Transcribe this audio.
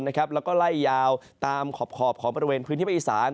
แล้วก็ไล่ยาวตามขอบของบริเวณพื้นที่ภาคอีสาน